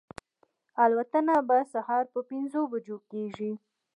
الوتنه به سهار پر پنځو بجو کېږي.